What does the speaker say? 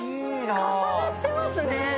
重なってますね。